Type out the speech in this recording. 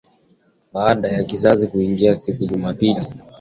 baada ya kiza kuingia siku ya Jumapili na kuharibu nyumba pamoja na kuwaua wakaazi